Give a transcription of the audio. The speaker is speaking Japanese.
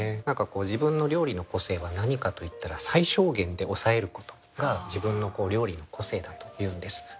何か自分の料理の個性は何かといったら最小限で抑えることが自分の料理の個性だというんです。